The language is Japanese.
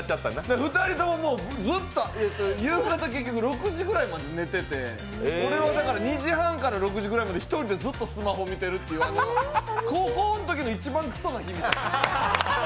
２人ともずっと夕方結局６時ぐらいまで寝てて、俺は２時半から６時ぐらいまで１人でスマホ見てるみたいな高校のときの一番クソな日々。